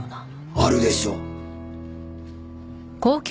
あるでしょ。